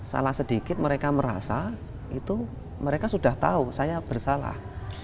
salah sedikit mereka merasa itu mereka sudah tahu saya bersalah